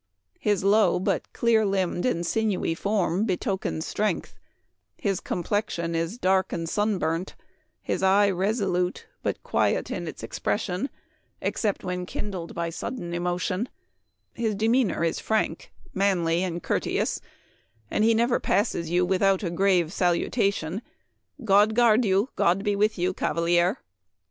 His low but clear limbed and sinewy form beto kens strength ; his complexion is dark and sun burnt, his eye resolute, but quiet in its ex pression, except when kindled by sudden emo tion ; his demeanor is frank, manly, and cour teous, and he never passes you without a grave salutation :' God guard you ! God be with you, cavalier